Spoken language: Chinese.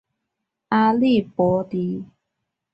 阿利博迪埃。